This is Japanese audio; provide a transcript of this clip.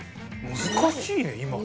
難しいね今の。